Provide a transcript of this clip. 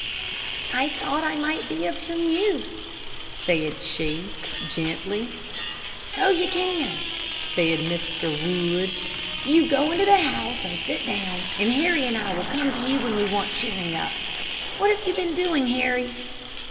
"I thought I might be of some use," said she, gently. "So you can," said Mr. Wood. "You go into the house and sit down, and Harry and I will come to you when we want cheering up. What have you been doing, Harry?"